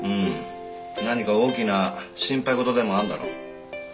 何か大きな心配事でもあるんだろう？